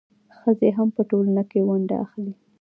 ښځې هم په ټولنه کې ونډه اخلي.